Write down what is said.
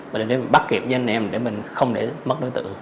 mình bắt kịp với anh em để mình không để mất đối tượng